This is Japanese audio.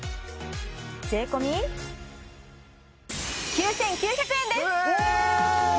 税込９９００円です！